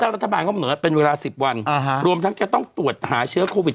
แล้วก็รัฐบาลกำหนดไว้เป็นเวลาสิบวันอ่าฮะรวมทั้งจะต้องตรวจหาเชื้อโควิด